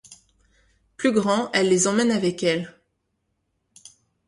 Plus grands, elle les emmène avec elle.